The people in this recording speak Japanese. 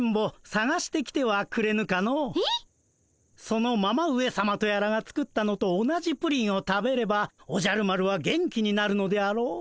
そのママ上さまとやらが作ったのと同じプリンを食べればおじゃる丸は元気になるのであろう。